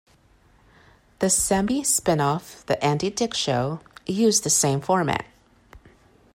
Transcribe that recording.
The semi-spinoff, "The Andy Dick Show", used the same format.